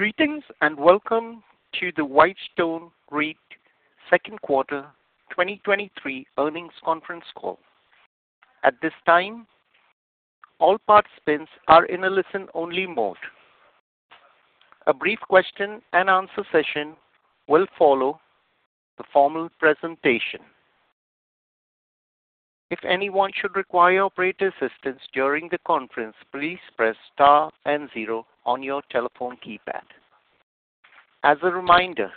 Greetings, and Welcome to the Whitestone REIT Second Quarter 2023 Earnings Conference Call. At this time, all participants are in a listen-only mode. A brief question-and-answer session will follow the formal presentation. If anyone should require operator assistance during the conference, please press star and zero on your telephone keypad. As a reminder,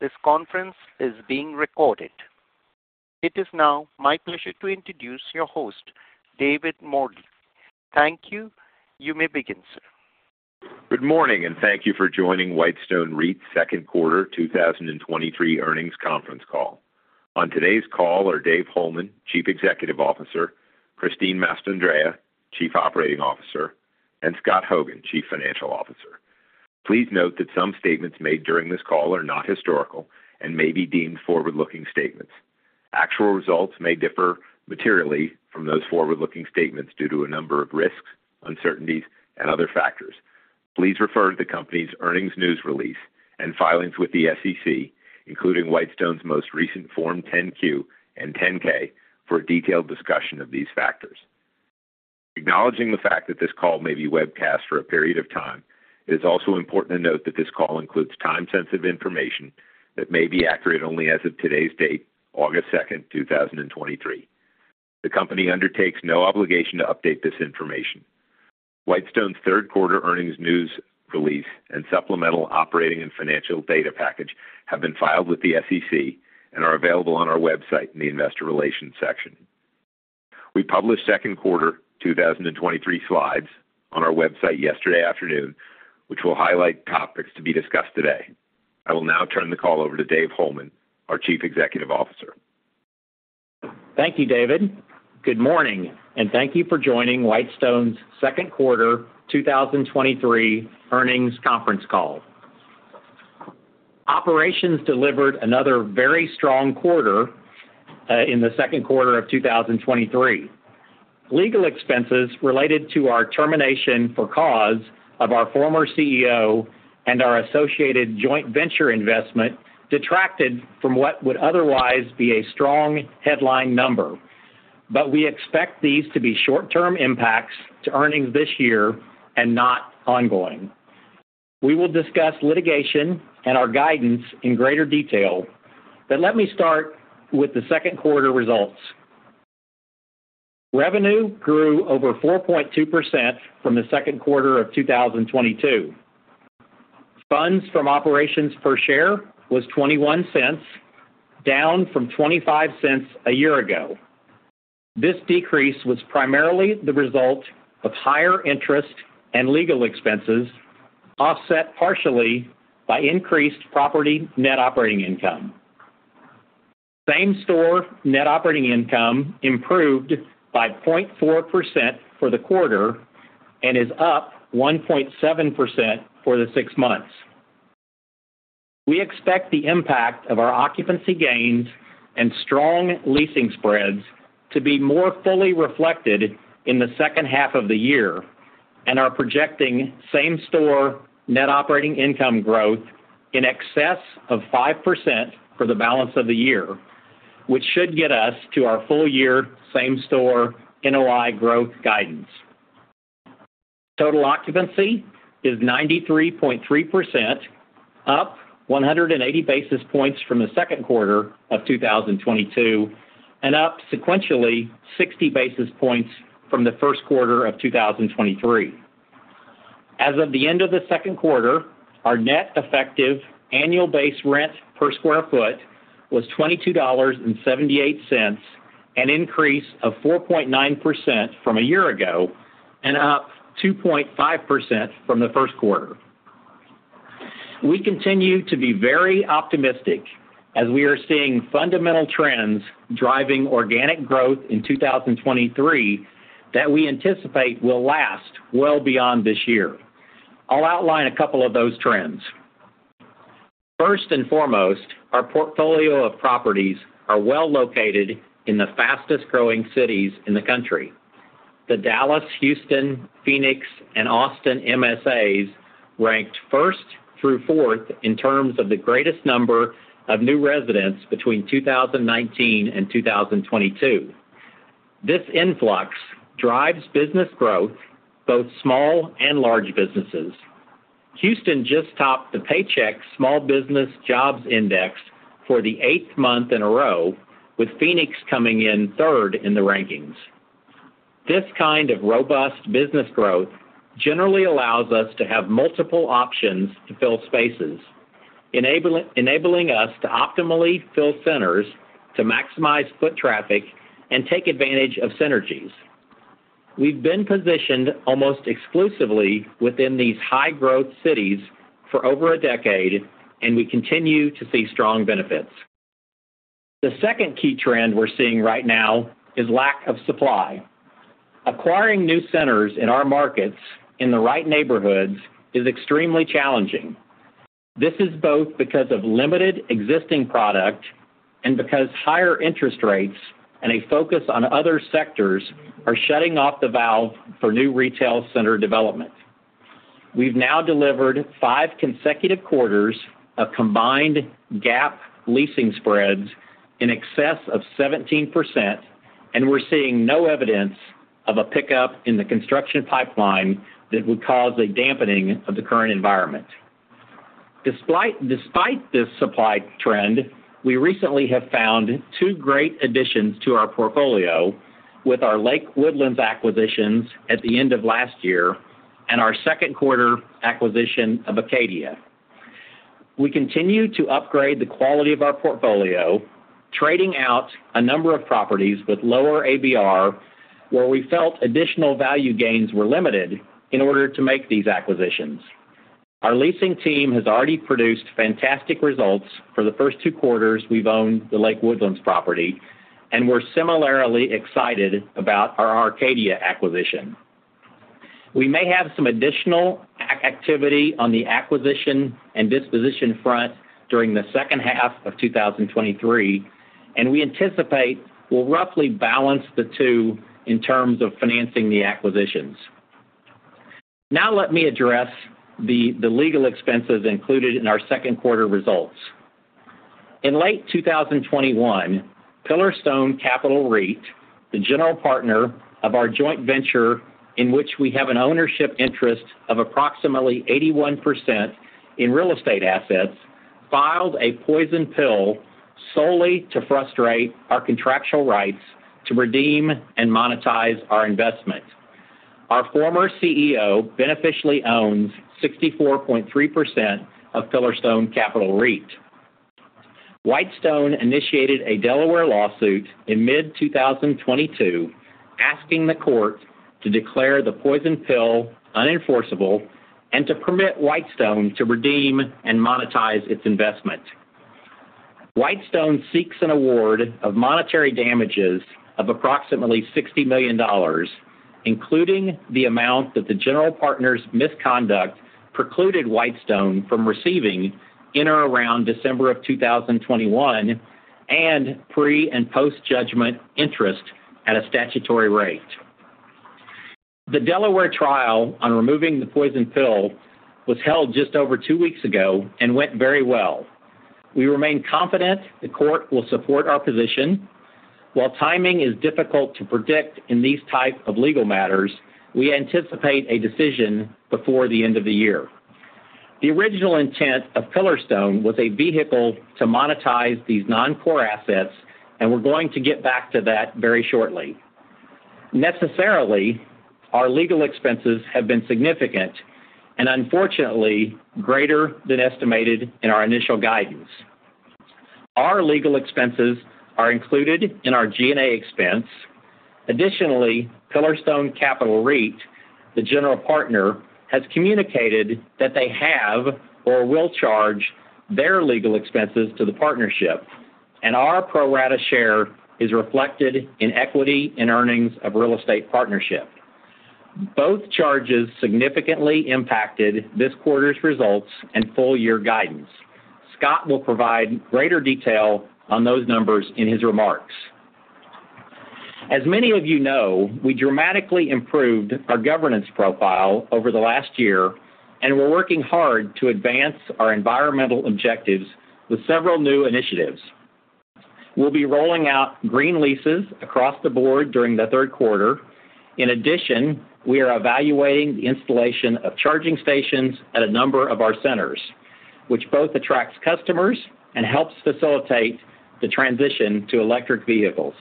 this conference is being recorded. It is now my pleasure to introduce your host, David Mordy. Thank you. You may begin, sir. Good morning, thank you for joining Whitestone REIT's Second Quarter 2023 earnings conference call. On today's call are Dave Holeman, Chief Executive Officer, Christine Mastandrea, Chief Operating Officer, and Scott Hogan, Chief Financial Officer. Please note that some statements made during this call are not historical and may be deemed forward-looking statements. Actual results may differ materially from those forward-looking statements due to a number of risks, uncertainties, and other factors. Please refer to the company's earnings news release and filings with the SEC, including Whitestone's most recent Form 10-Q and 10-K for a detailed discussion of these factors. Acknowledging the fact that this call may be webcast for a period of time, it is also important to note that this call includes time-sensitive information that may be accurate only as of today's date, August 02, 2023. The company undertakes no obligation to update this information. Whitestone's third quarter earnings news release and supplemental operating and financial data package have been filed with the SEC and are available on our website in the Investor Relations section. We published second quarter 2023 slides on our website yesterday afternoon, which will highlight topics to be discussed today. I will now turn the call over to Dave Holeman, our Chief Executive Officer. Thank you, David. Good morning, and thank you for joining Whitestone's Second Quarter 2023 Earnings Conference call. Operations delivered another very strong quarter in the second quarter of 2023. Legal expenses related to our termination for cause of our former CEO and our associated joint venture investment detracted from what would otherwise be a strong headline number. We expect these to be short-term impacts to earnings this year and not ongoing. We will discuss litigation and our guidance in greater detail, but let me start with the second quarter results. Revenue grew over 4.2% from the second quarter of 2022. Funds from operations per share was $0.21, down from $0.25 a year ago. This decrease was primarily the result of higher interest and legal expenses, offset partially by increased property net operating income. Same-store net operating income improved by 0.4% for the quarter and is up 1.7% for the six months. We expect the impact of our occupancy gains and strong leasing spreads to be more fully reflected in the second half of the year and are projecting same-store net operating income growth in excess of 5% for the balance of the year, which should get us to our full-year same-store NOI growth guidance. Total occupancy is 93.3%, up 180 basis points from the second quarter of 2022, and up sequentially 60 basis points from the first quarter of 2023. As of the end of the second quarter, our net effective annual base rent per square foot was $22.78, an increase of 4.9% from a year ago and up 2.5% from the first quarter. We continue to be very optimistic as we are seeing fundamental trends driving organic growth in 2023 that we anticipate will last well beyond this year. I'll outline a couple of those trends. First and foremost, our portfolio of properties are well located in the fastest-growing cities in the country. The Dallas, Houston, Phoenix, and Austin MSAs ranked first through fourth in terms of the greatest number of new residents between 2019 and 2022. This influx drives business growth, both small and large businesses. Houston just topped the Paychex Small Business Jobs Index for the eighth month in a row, with Phoenix coming in third in the rankings. This kind of robust business growth generally allows us to have multiple options to fill spaces, enabling us to optimally fill centers to maximize foot traffic and take advantage of synergies. We've been positioned almost exclusively within these high-growth cities for over a decade, and we continue to see strong benefits. The second key trend we're seeing right now is lack of supply. Acquiring new centers in our markets in the right neighborhoods is extremely challenging. This is both because of limited existing product and because higher interest rates and a focus on other sectors are shutting off the valve for new retail center development. We've now delivered five consecutive quarters of combined GAAP leasing spreads in excess of 17%. We're seeing no evidence of a pickup in the construction pipeline that would cause a dampening of the current environment. Despite this supply trend, we recently have found two great additions to our portfolio with our Lake Woodlands acquisitions at the end of last year and our second quarter acquisition of Arcadia. We continue to upgrade the quality of our portfolio, trading out a number of properties with lower ABR, where we felt additional value gains were limited in order to make these acquisitions. Our leasing team has already produced fantastic results for the first two quarters we've owned the Lake Woodlands property. We're similarly excited about our Arcadia acquisition. We may have some additional activity on the acquisition and disposition front during the second half of 2023, and we anticipate we'll roughly balance the two in terms of financing the acquisitions. Now let me address the legal expenses included in our second quarter results. In late 2021, Pillarstone Capital REIT, the general partner of our joint venture, in which we have an ownership interest of approximately 81% in real estate assets, filed a poison pill solely to frustrate our contractual rights to redeem and monetize our investment. Our former CEO beneficially owns 64.3% of Pillarstone Capital REIT. Whitestone initiated a Delaware lawsuit in mid-2022, asking the court to declare the poison pill unenforceable and to permit Whitestone to redeem and monetize its investment. Whitestone seeks an award of monetary damages of approximately $60 million, including the amount that the general partner's misconduct precluded Whitestone from receiving in or around December of 2021, and pre- and post-judgment interest at a statutory rate. The Delaware trial on removing the poison pill was held just over two weeks ago and went very well. We remain confident the court will support our position. While timing is difficult to predict in these type of legal matters, we anticipate a decision before the end of the year. The original intent of Pillarstone was a vehicle to monetize these non-core assets, and we're going to get back to that very shortly. Necessarily, our legal expenses have been significant and unfortunately greater than estimated in our initial guidance. Our legal expenses are included in our G&A expense. Additionally, Pillarstone Capital REIT, the general partner, has communicated that they have or will charge their legal expenses to the partnership, and our pro rata share is reflected in equity in earnings of real estate partnership. Both charges significantly impacted this quarter's results and full-year guidance. Scott will provide greater detail on those numbers in his remarks. As many of you know, we dramatically improved our governance profile over the last year, and we're working hard to advance our environmental objectives with several new initiatives. We'll be rolling out green leases across the board during the third quarter. In addition, we are evaluating the installation of charging stations at a number of our centers, which both attracts customers and helps facilitate the transition to electric vehicles.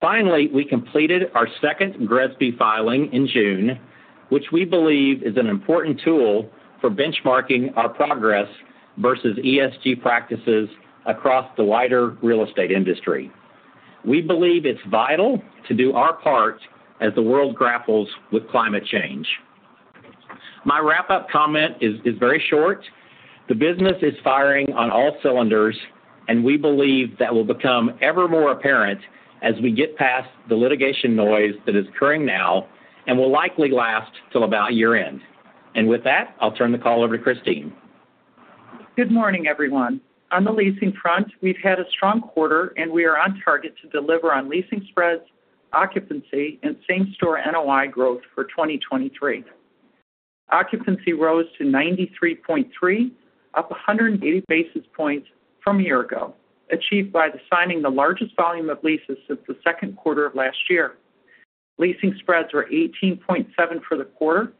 Finally, we completed our second GRESB filing in June, which we believe is an important tool for benchmarking our progress versus ESG practices across the wider real estate industry. We believe it's vital to do our part as the world grapples with climate change. My wrap-up comment is very short. The business is firing on all cylinders, and we believe that will become ever more apparent as we get past the litigation noise that is occurring now and will likely last till about year-end. With that, I'll turn the call over to Christine. Good morning, everyone. On the leasing front, we've had a strong quarter, and we are on target to deliver on leasing spreads, occupancy, and same-store NOI growth for 2023. Occupancy rose to 93.3%, up 180 basis points from a year ago, achieved by signing the largest volume of leases since the second quarter of last year. Leasing spreads were 18.7% for the quarter,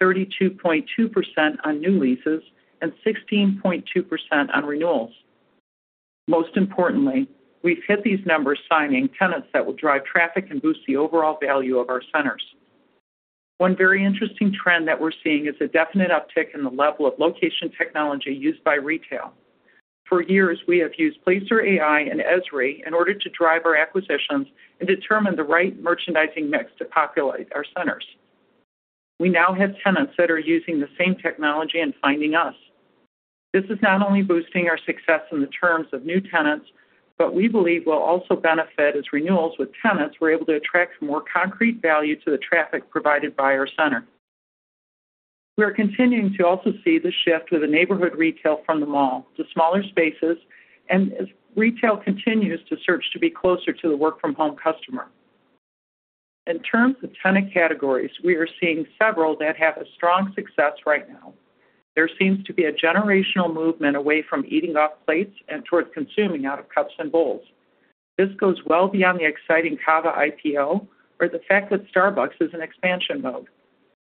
32.2% on new leases and 16.2% on renewals. Most importantly, we've hit these numbers signing tenants that will drive traffic and boost the overall value of our centers. One very interesting trend that we're seeing is a definite uptick in the level of location technology used by retail. For years, we have used Placer.ai and Esri in order to drive our acquisitions and determine the right merchandising mix to populate our centers. We now have tenants that are using the same technology and finding us. This is not only boosting our success in the terms of new tenants, but we believe will also benefit as renewals with tenants we're able to attract more concrete value to the traffic provided by our center. We are continuing to also see the shift of the neighborhood retail from the mall to smaller spaces, and as retail continues to search to be closer to the work-from-home customer. In terms of tenant categories, we are seeing several that have a strong success right now. There seems to be a generational movement away from eating off plates and towards consuming out of cups and bowls. This goes well beyond the exciting CAVA IPO, or the fact that Starbucks is in expansion mode.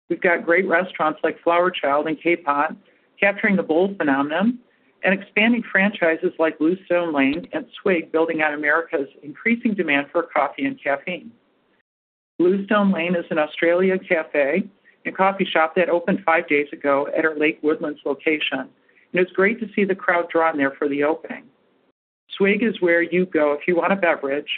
We've got great restaurants like Flower Child and KPOT, capturing the bowls phenomenon and expanding franchises like Bluestone Lane and Swig, building out America's increasing demand for coffee and caffeine. Bluestone Lane is an Australian cafe and coffee shop that opened five days ago at our Lake Woodlands location. It's great to see the crowd drawn there for the opening. Swig is where you go if you want a beverage,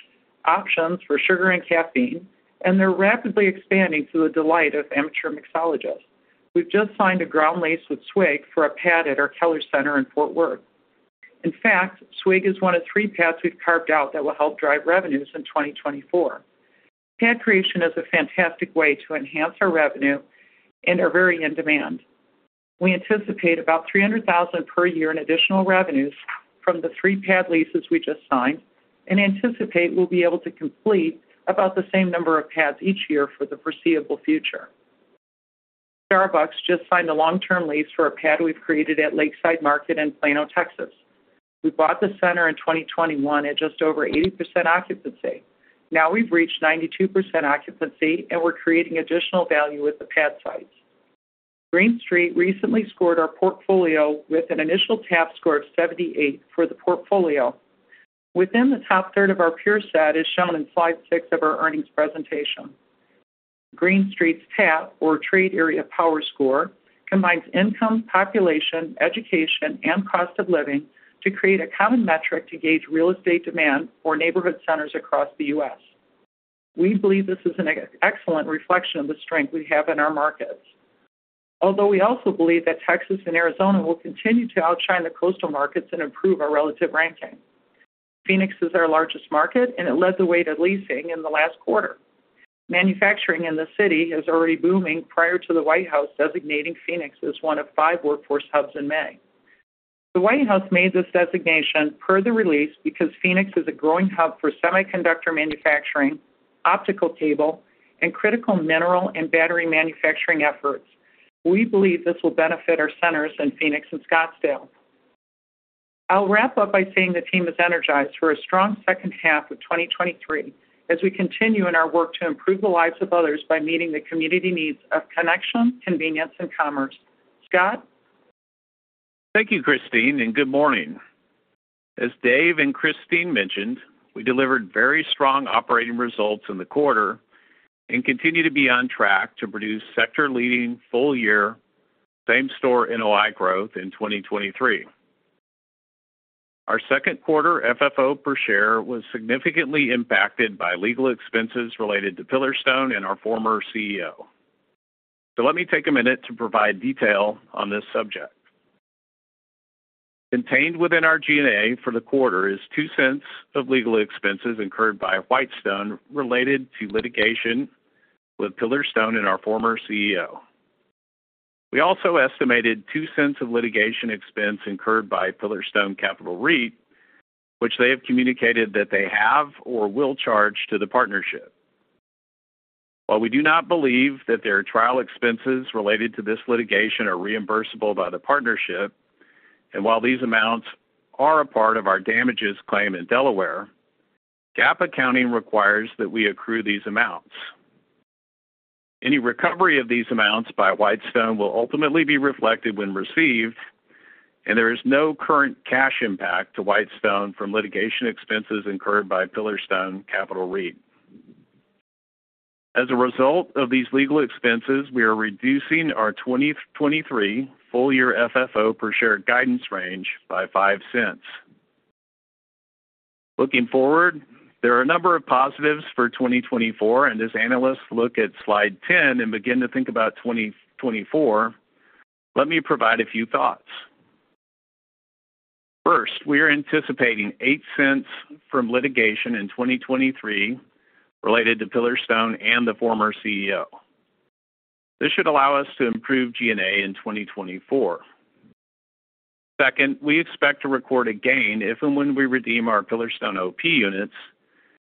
options for sugar and caffeine. They're rapidly expanding to the delight of amateur mixologists. We've just signed a ground lease with Swig for a pad at our Keller Center in Fort Worth. In fact, Swig is one of three pads we've carved out that will help drive revenues in 2024. Pad creation is a fantastic way to enhance our revenue and are very in demand. We anticipate about $300,000 per year in additional revenues from the three pad leases we just signed and anticipate we'll be able to complete about the same number of pads each year for the foreseeable future. tarbucks just signed a long-term lease for a pad we've created at Lakeside Market in Plano, Texas. We bought the center in 2021 at just over 80% occupancy. Now we've reached 92% occupancy, and we're creating additional value with the pad sites. Green Street recently scored our portfolio with an initial TAP score of 78 for the portfolio. Within the top third of our peer set is shown in slide six of our earnings presentation. Green Street's TAP, or Trade Area Power Score, combines income, population, education, and cost of living to create a common metric to gauge real estate demand for neighborhood centers across the U.S. We believe this is an excellent reflection of the strength we have in our markets. Although we also believe that Texas and Arizona will continue to outshine the coastal markets and improve our relative ranking. Phoenix is our largest market, and it led the way to leasing in the last quarter. Manufacturing in the city is already booming prior to the White House designating Phoenix as one of five workforce hubs in May. The White House made this designation per the release because Phoenix is a growing hub for semiconductor manufacturing, optical cable, and critical mineral and battery manufacturing efforts. We believe this will benefit our centers in Phoenix and Scottsdale. I'll wrap up by saying the team is energized for a strong second half of 2023 as we continue in our work to improve the lives of others by meeting the community needs of connection, convenience, and commerce. Scott? Thank you, Christine, and good morning. As Dave and Christine mentioned, we delivered very strong operating results in the quarter and continue to be on track to produce sector-leading full-year same-store NOI growth in 2023. Our second quarter FFO per share was significantly impacted by legal expenses related to Pillarstone and our former CEO. Let me take a minute to provide detail on this subject. Contained within our G&A for the quarter is $0.02 of legal expenses incurred by Whitestone related to litigation with Pillarstone and our former CEO. We also estimated $0.02 of litigation expense incurred by Pillarstone Capital REIT, which they have communicated that they have or will charge to the partnership. While we do not believe that their trial expenses related to this litigation are reimbursable by the partnership, and while these amounts are a part of our damages claim in Delaware, GAAP accounting requires that we accrue these amounts. Any recovery of these amounts by Whitestone will ultimately be reflected when received, and there is no current cash impact to Whitestone from litigation expenses incurred by Pillarstone Capital REIT. As a result of these legal expenses, we are reducing our 2023 full-year FFO per share guidance range by $0.05. Looking forward, there are a number of positives for 2024, and as analysts look at slide 10 and begin to think about 2024, let me provide a few thoughts. First, we are anticipating $0.08 from litigation in 2023 related to Pillarstone and the former CEO. This should allow us to improve G&A in 2024. Second, we expect to record a gain if and when we redeem our Pillarstone OP units,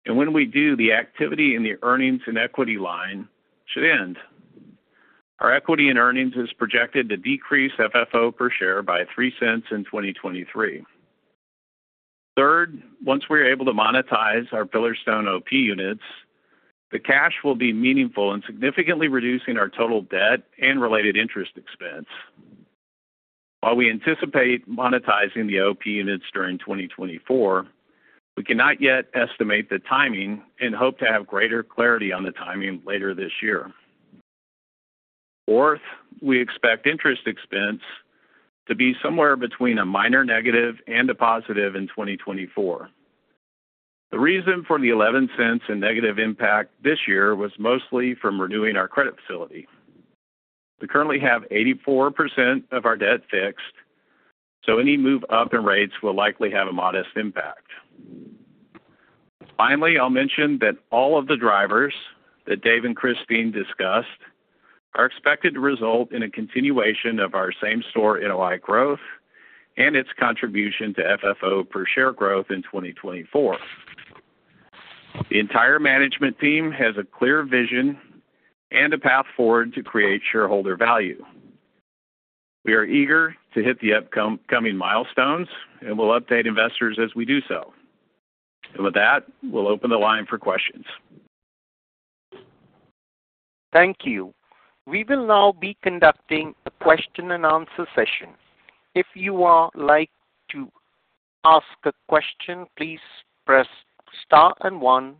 and when we do, the activity in the earnings and equity line should end. Our equity in earnings is projected to decrease FFO per share by $0.03 in 2023. Third, once we are able to monetize our Pillarstone OP units, the cash will be meaningful in significantly reducing our total debt and related interest expense. While we anticipate monetizing the OP units during 2024, we cannot yet estimate the timing and hope to have greater clarity on the timing later this year. Fourth, we expect interest expense to be somewhere between a minor negative and a positive in 2024. The reason for the $0.11 in negative impact this year was mostly from renewing our credit facility. We currently have 84% of our debt fixed, so any move up in rates will likely have a modest impact. Finally, I'll mention that all of the drivers that Dave and Christine discussed are expected to result in a continuation of our same-store NOI growth and its contribution to FFO per share growth in 2024. The entire management team has a clear vision and a path forward to create shareholder value. We are eager to hit the upcoming milestones, and we'll update investors as we do so. With that, we'll open the line for questions. Thank you. We will now be conducting a question-and-answer session. If you would like to ask a question, please press star and one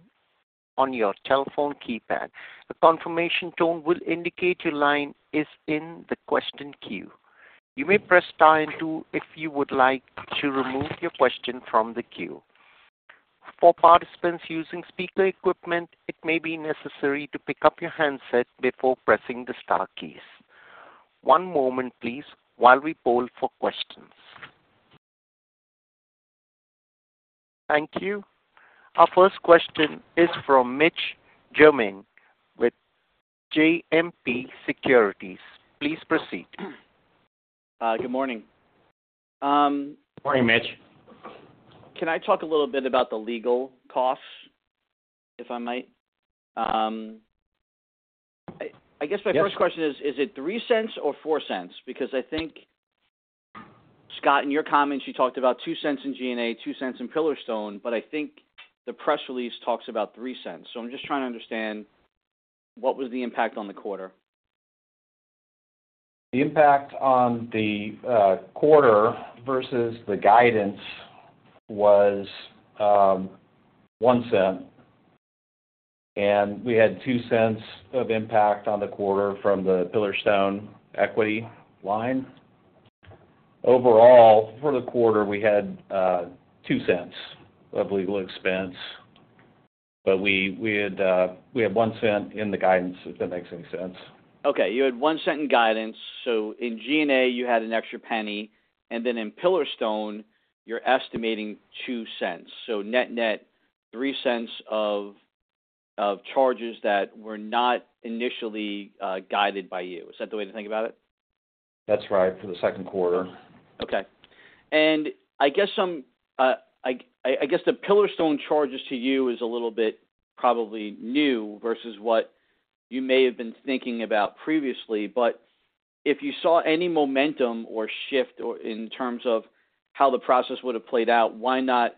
on your telephone keypad. The confirmation tone will indicate your line is in the question queue. You may press star and two if you would like to remove your question from the queue. For participants using speaker equipment, it may be necessary to pick up your handset before pressing the star keys. One moment, please, while we poll for questions. Thank you. Our first question is from Mitch Germain with JMP Securities. Please proceed. Good morning. Morning, Mitch. Can I talk a little bit about the legal costs, if I might? Yes. First question is, is it $0.03 or $0.04? I think, Scott, in your comments, you talked about $0.02 in G&A, $0.02 in Pillarstone, but I think the press release talks about $0.03. I'm just trying to understand what was the impact on the quarter. The impact on the quarter versus the guidance was $0.01, and we had $0.02 of impact on the quarter from the Pillarstone equity line. Overall, for the quarter, we had $0.02 of legal expense, but we had $0.01 in the guidance, if that makes any sense. Okay, you had $0.01 in guidance. In G&A, you had an extra $0.01, and then in Pillarstone, you're estimating $0.02. Net net, $0.03 of charges that were not initially guided by you. Is that the way to think about it? That's right, for the second quarter. Okay. I guess some, I guess the Pillarstone charges to you is a little bit probably new versus what you may have been thinking about previously. If you saw any momentum or shift or in terms of how the process would have played out, why not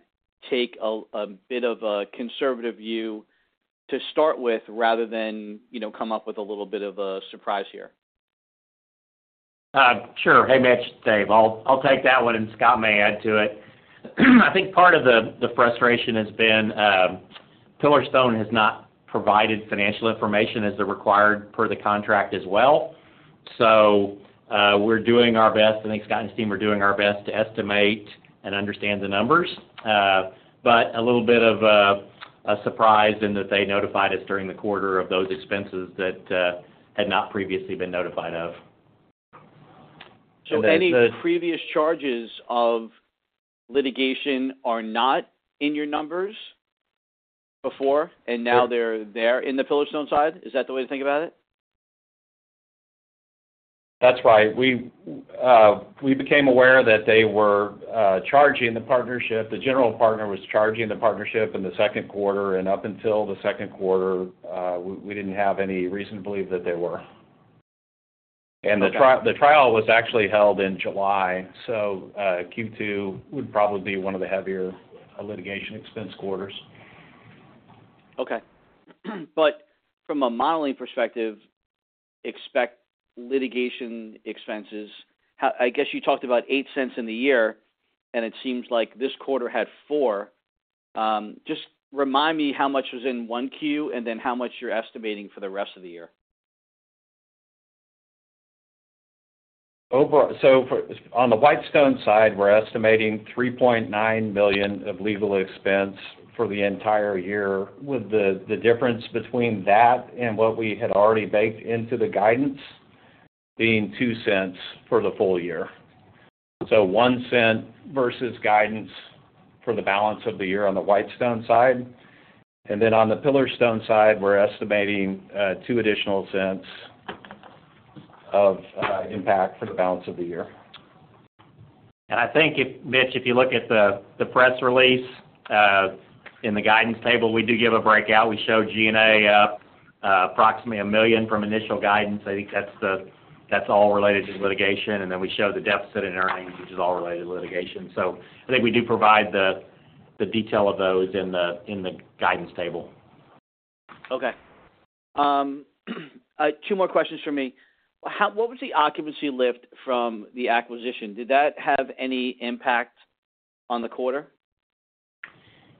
take a, a bit of a conservative view to start with, rather than, you know, come up with a little bit of a surprise here? Sure. Hey, Mitch, Dave. I'll, I'll take that one, and Scott may add to it. I think part of the frustration has been, Pillarstone has not provided financial information as they're required per the contract as well. We're doing our best, I think Scott and his team are doing our best to estimate and understand the numbers. A little bit of a surprise in that they notified us during the quarter of those expenses that had not previously been notified of. Any previous charges of litigation are not in your numbers before, and now they're there in the Pillarstone side? Is that the way to think about it? That's right. We, we became aware that they were, charging the partnership. The general partner was charging the partnership in the second quarter. Up until the second quarter, we, we didn't have any reason to believe that they were. Okay. The trial was actually held in July, so Q2 would probably be one of the heavier litigation expense quarters. Okay. From a modeling perspective, expect litigation expenses. I guess you talked about $0.08 in the year, and it seems like this quarter had $0.04. Just remind me how much was in 1Q, and then how much you're estimating for the rest of the year. On the Whitestone side, we're estimating $3.9 million of legal expense for the entire year, with the difference between that and what we had already baked into the guidance being $0.02 for the full year. $0.01 versus guidance for the balance of the year on the Whitestone side. Then on the Pillarstone side, we're estimating $0.02 additional of impact for the balance of the year. I think if, Mitch, if you look at the, the press release, in the guidance table, we do give a breakout. We show G&A, approximately a million from initial guidance. I think that's all related to litigation, and then we show the deficit in earnings, which is all related to litigation. I think we do provide the, the detail of those in the, in the guidance table. Okay. Two more questions from me. What was the occupancy lift from the acquisition? Did that have any impact on the quarter?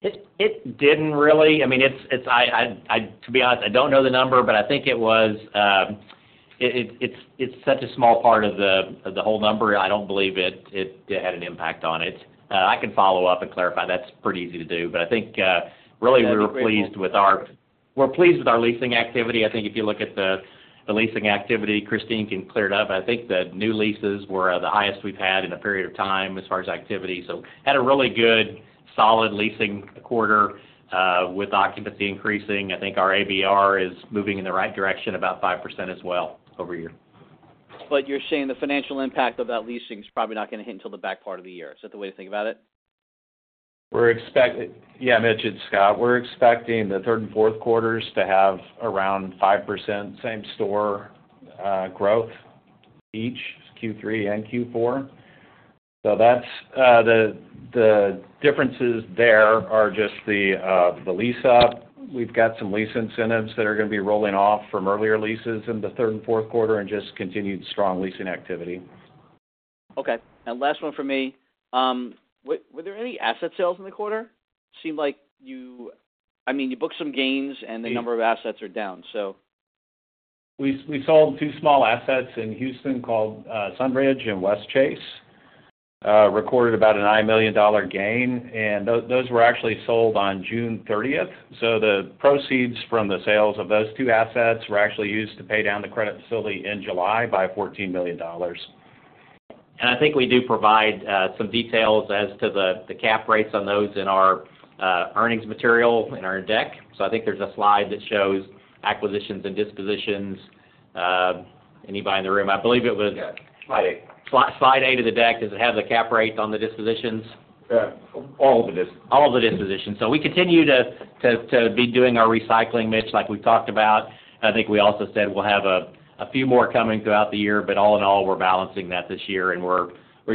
It, it didn't really. I mean, to be honest, I don't know the number, but I think it was. It's such a small part of the whole number. I don't believe it had an impact on it. I can follow up and clarify. That's pretty easy to do. I think, really, we're pleased with our- That'd be great. We're pleased with our leasing activity. I think if you look at the, the leasing activity, Christine can clear it up. I think the new leases were the highest we've had in a period of time as far as activity, so had a really good, solid leasing quarter, with occupancy increasing. I think our ABR is moving in the right direction, about 5% as well, over year. You're saying the financial impact of that leasing is probably not gonna hit until the back part of the year. Is that the way to think about it? We're expect- yeah, Mitch, it's Scott. We're expecting the third and fourth quarters to have around 5% same-store growth, each Q3 and Q4. So that's the, the differences there are just the lease-up. We've got some lease incentives that are gonna be rolling off from earlier leases in the third and fourth quarter and just continued strong leasing activity. Okay, last one for me. Were there any asset sales in the quarter? Seemed like I mean, you booked some gains, and the number of assets are down, so. We sold two small assets in Houston called Sunridge and Westchase, recorded about a $9 million gain, and those were actually sold on June 30. The proceeds from the sales of those two assets were actually used to pay down the credit facility in July by $14 million. I think we do provide some details as to the cap rates on those in our earnings material in our deck. I think there's a slide that shows acquisitions and dispositions. Anybody in the room? Yeah, slide eight. Slide eight of the deck, does it have the cap rate on the dispositions? Yeah, all of the dispositions. All of the dispositions. We continue to be doing our recycling, Mitch, like we've talked about. I think we also said we'll have a few more coming throughout the year, but all in all, we're balancing that this year, and we're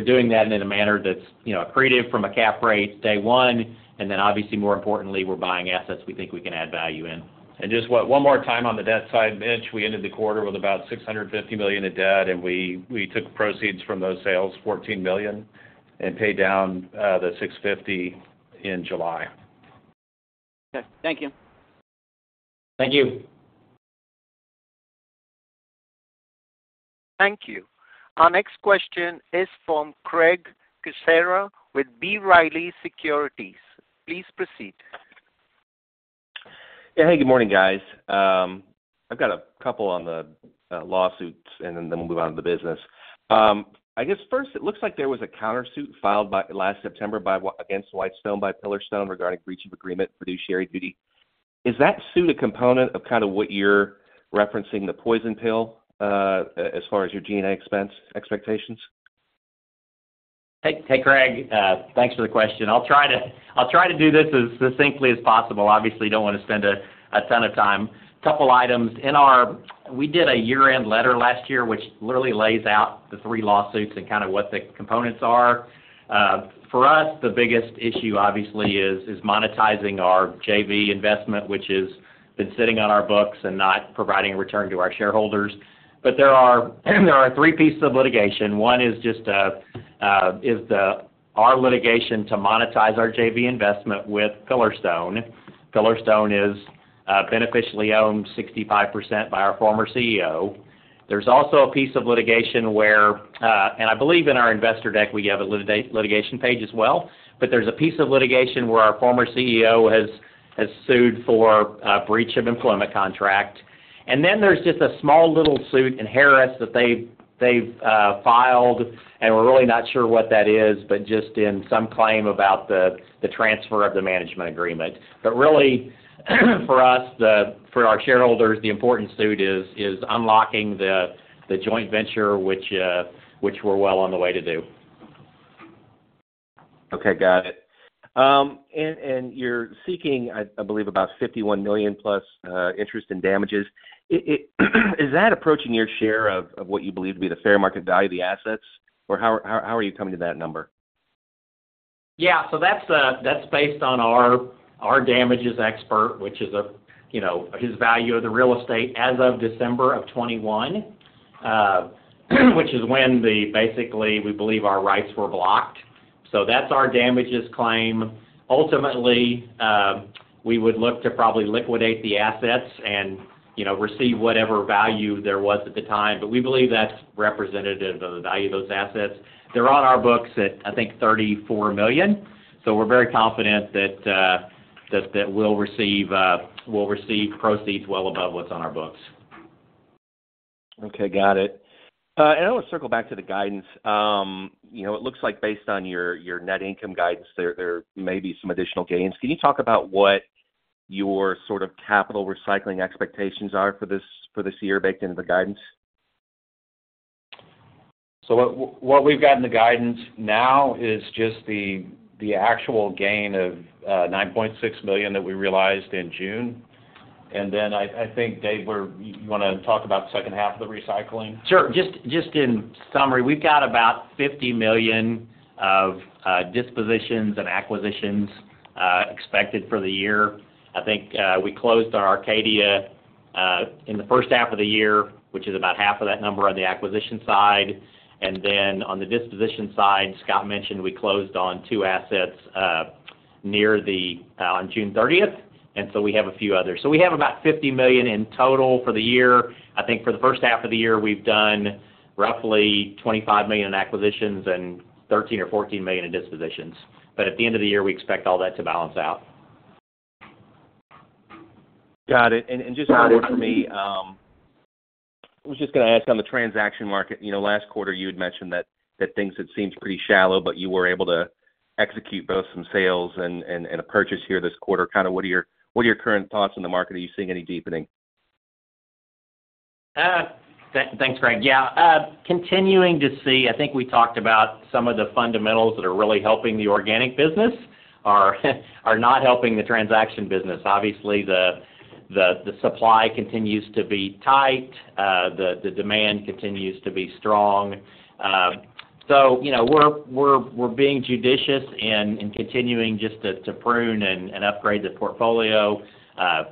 doing that in a manner that's, you know, creative from a cap rate, day one, and then, obviously, more importantly, we're buying assets we think we can add value in. Just one, one more time on the debt side, Mitch, we ended the quarter with about $650 million in debt, and we, we took proceeds from those sales, $14 million, and paid down the $650 million in July. Okay. Thank you. Thank you. Thank you. Our next question is from Craig Kucera with B. Riley Securities. Please proceed. Yeah. Hey, good morning, guys. I've got a couple on the lawsuits, and then, then we'll move on to the business. I guess first, it looks like there was a countersuit filed last September by Pillarstone against Whitestone regarding breach of agreement, fiduciary duty. Is that suit a component of kind of what you're referencing the poison pill as far as your G&A expense expectations? Hey, hey, Craig, thanks for the question. I'll try to I'll try to do this as succinctly as possible. Obviously, don't want to spend a, a ton of time. Couple items. In our. We did a year-end letter last year, which literally lays out the three lawsuits and kind of what the components are. For us, the biggest issue, obviously, is, is monetizing our JV investment, which is been sitting on our books and not providing a return to our shareholders. There are, there are three pieces of litigation. One is just, is the, our litigation to monetize our JV investment with Pillarstone. Pillarstone is, beneficially owned 65% by our former CEO. There's also a piece of litigation where... I believe in our investor deck, we have a litigate- litigation page as well. There's a piece of litigation where our former CEO has, has sued for a breach of employment contract. Then there's just a small little suit in Harris, that they've, they've filed, and we're really not sure what that is, but just in some claim about the, the transfer of the management agreement. Really, for us, for our shareholders, the important suit is, is unlocking the, the joint venture, which, which we're well on the way to do. Okay, got it. And you're seeking, I, I believe, about $51 million plus interest in damages. Is that approaching your share of what you believe to be the fair market value of the assets? How are you coming to that number? Yeah, that's, that's based on our, our damages expert, which is a, you know, his value of the real estate as of December of 2021, which is when the basically, we believe our rights were blocked. That's our damages claim. Ultimately, we would look to probably liquidate the assets and, you know, receive whatever value there was at the time, but we believe that's representative of the value of those assets. They're on our books at, I think, $34 million, we're very confident that, that, that we'll receive, we'll receive proceeds well above what's on our books. Okay, got it. I want to circle back to the guidance. You know, it looks like based on your, your net income guidance, there, there may be some additional gains. Can you talk about what your sort of capital recycling expectations are for this, for this year, baked into the guidance? What, what we've got in the guidance now is just the, the actual gain of $9.6 million that we realized in June. I, I think, Dave, you wanna talk about the second half of the recycling? Sure. Just, just in summary, we've got about $50 million of dispositions and acquisitions expected for the year. I think we closed our Arcadia in the first half of the year, which is about half of that number on the acquisition side. On the disposition side, Scott mentioned we closed on two assets near the on June 30. We have a few others. We have about $50 million in total for the year. I think for the first half of the year, we've done roughly $25 million in acquisitions and $13 million or $14 million in dispositions. At the end of the year, we expect all that to balance out. Got it. Just one more for me, I was just gonna ask on the transaction market, you know, last quarter, you had mentioned that, that things had seemed pretty shallow, but you were able to execute both some sales and, and, and a purchase here this quarter. Kind of what are your, what are your current thoughts on the market? Are you seeing any deepening? Thanks, Craig. Yeah, continuing to see, I think we talked about some of the fundamentals that are really helping the organic business are not helping the transaction business. Obviously, the supply continues to be tight, the demand continues to be strong. So you know, we're being judicious and continuing just to prune and upgrade the portfolio,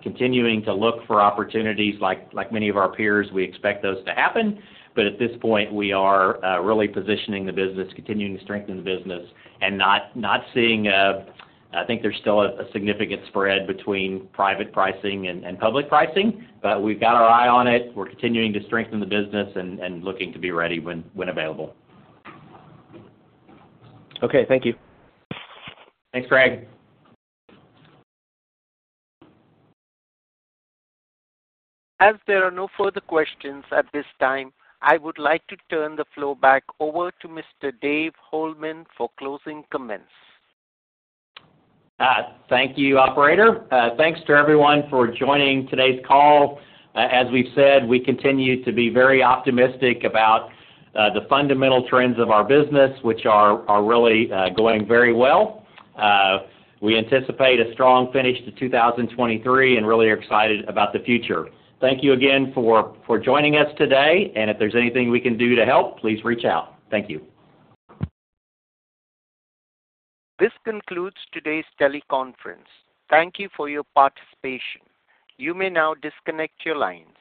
continuing to look for opportunities like many of our peers. We expect those to happen, but at this point, we are really positioning the business, continuing to strengthen the business and not seeing a... I think there's still a significant spread between private pricing and public pricing, but we've got our eye on it. We're continuing to strengthen the business and looking to be ready when available. Okay, thank you. Thanks, Craig. As there are no further questions at this time, I would like to turn the floor back over to Mr. Dave Holeman for closing comments. Thank you, operator. Thanks to everyone for joining today's call. As we've said, we continue to be very optimistic about the fundamental trends of our business, which are, are really going very well. We anticipate a strong finish to 2023 and really are excited about the future. Thank you again for, for joining us today, and if there's anything we can do to help, please reach out. Thank you. This concludes today's teleconference. Thank you for your participation. You may now disconnect your lines.